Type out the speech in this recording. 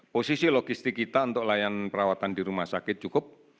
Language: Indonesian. posisi logistik kita untuk layanan perawatan di rumah sakit cukup